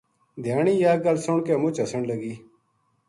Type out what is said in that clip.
دھیانی یاہ گل سُن کے مُچ ہسن لگی